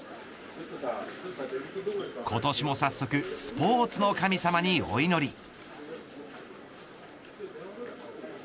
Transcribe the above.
今年も早速スポーツの神様にお祈り。